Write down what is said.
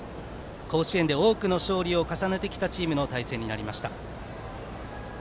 甲子園で多くの勝利を重ねてきたチームの対戦になりました。